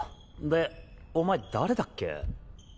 でお前誰だっけ？